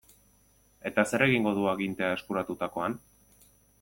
Eta zer egingo du agintea eskuratutakoan?